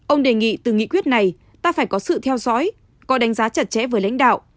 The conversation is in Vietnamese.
ông đề nghị từ nghị quyết này ta phải có sự theo dõi có đánh giá chặt chẽ với lãnh đạo